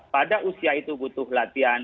pada usia itu butuh latihan